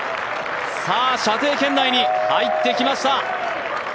さあ、射程圏内に入ってきました。